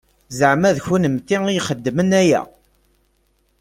Zeɛma d kennemti i ixedmen aya?